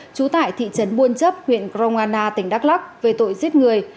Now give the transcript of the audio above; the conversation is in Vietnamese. trú tại thị trấn buôn chấp huyện grongana tỉnh đắk lắc về tội giết người